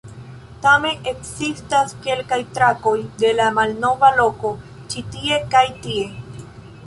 Tamen ekzistas kelkaj trakoj de la malnova loko, ĉi tie kaj tie.